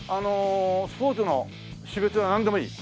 スポーツの種別はなんでもいい？